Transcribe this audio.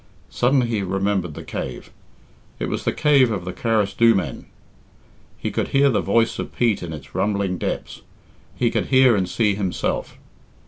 Suddenly he remembered the cave. It was the cave of the Carasdhoo men. He éould hear the voice of Pete in its rumbling depths; he could hear and see himself.